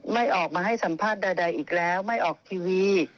ไม่ออกมาให้สัมภาษณ์ใดอีกแล้วไม่ออกทีวี